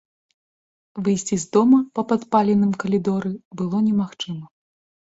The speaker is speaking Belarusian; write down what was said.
Выйсці з дома па падпаленым калідоры было немагчыма.